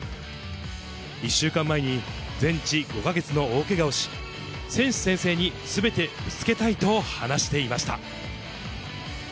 １週間前に全治５か月の大けがをし、選手宣誓にすべてぶつけたいと話していました。